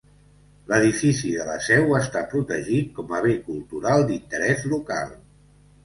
L'edifici de la seu està protegit com a bé cultural d'interès local.